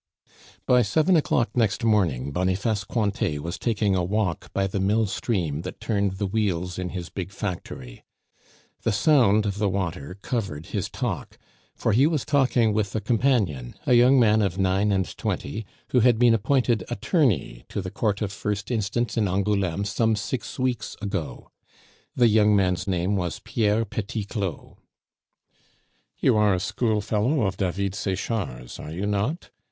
By seven o'clock next morning, Boniface Cointet was taking a walk by the mill stream that turned the wheels in his big factory; the sound of the water covered his talk, for he was talking with a companion, a young man of nine and twenty, who had been appointed attorney to the Court of First Instance in Angouleme some six weeks ago. The young man's name was Pierre Petit Claud. "You are a schoolfellow of David Sechard's, are you not?"